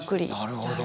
なるほど。